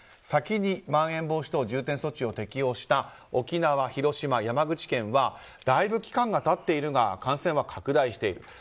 先にまん延防止等重点措置を適用した沖縄、広島、山口県はだいぶ期間が経っているが感染は拡大している。